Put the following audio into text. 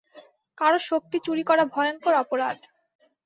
কারো শক্তি চুরি করা ভয়ংকর অপরাধ।